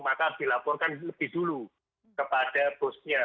maka harus dilaporkan lebih dulu kepada bosnya